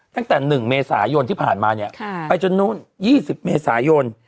ตั้งแต่๑เมษายนที่ผ่านมาเนี่ยไปจนนู่น๒๐เมษายน